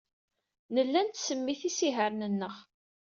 Nella nettsemmit isihaṛen-nneɣ.